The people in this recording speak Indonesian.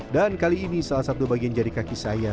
dan kali ini salah satu bagian jari kaki saya